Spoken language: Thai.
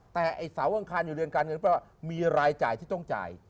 แต่ไอ้เสาอังคารอยู่เรือนการเงินก็แปลว่ามีรายจ่ายที่ต้องจ่าย